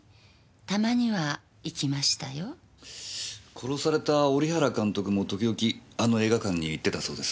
殺された織原監督も時々あの映画館に行ってたそうです。